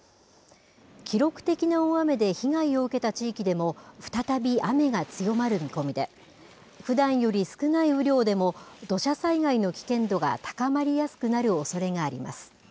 記録的な大雨で被害を受けた地域でも、再び雨が強まる見込みで、ふだんより少ない雨量でも、土砂災害の危険度が高まりやすくなるおそれがあります。